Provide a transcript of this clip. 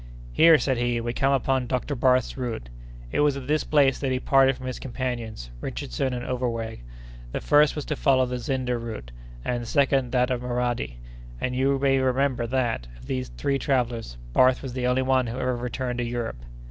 "Here," said he, "we come upon Dr. Barth's route. It was at this place that he parted from his companions, Richardson and Overweg; the first was to follow the Zinder route, and the second that of Maradi; and you may remember that, of these three travellers, Barth was the only one who ever returned to Europe."